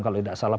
kalau tidak salah